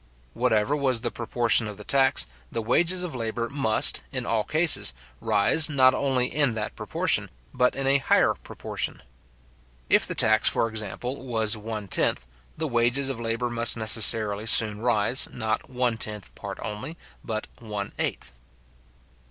Whatever was the proportion of the tax, the wages of labour must, in all cases rise, not only in that proportion, but in a higher proportion. If the tax for example, was one tenth, the wages of labour must necessarily soon rise, not one tenth part only, but one eighth.